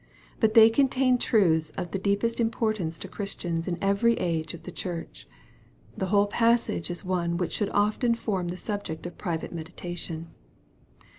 But they contain truths of the deepest importance to Christians in every age of the Church. The whole passage is one which should often form the subject of private meditation.